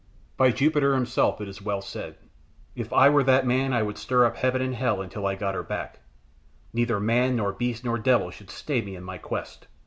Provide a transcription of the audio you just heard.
"By Jupiter himself it is well said! If I were that man I would stir up heaven and hell until I got her back; neither man, nor beast, nor devil should stay me in my quest!"